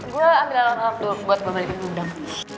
gue ambil alat alat dulu buat bawa balik ke kemudang